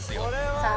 さあ。